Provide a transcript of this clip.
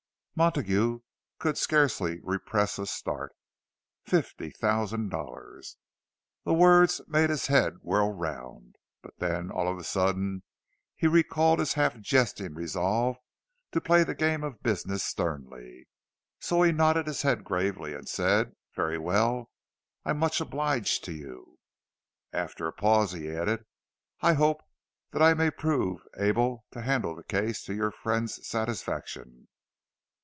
Montague could scarcely repress a start. Fifty thousand dollars! The words made his head whirl round. But then, all of a sudden, he recalled his half jesting resolve to play the game of business sternly. So he nodded his head gravely, and said, "Very well; I am much obliged to you." After a pause, he added, "I hope that I may prove able to handle the case to your friend's satisfaction."